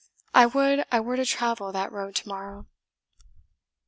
I would I were to travel that road tomorrow!"